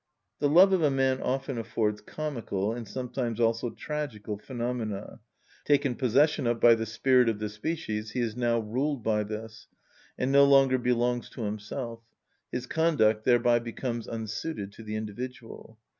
The love of a man often affords comical, and sometimes also tragical phenomena; both because, taken possession of by the spirit of the species, he is now ruled by this, and no longer belongs to himself: his conduct thereby becomes unsuited to the individual.